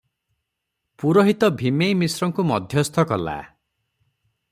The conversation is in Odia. ପୂରୋହିତ ଭୀମେଇ ମିଶ୍ରଙ୍କୁ ମଧ୍ୟସ୍ଥ କଲା ।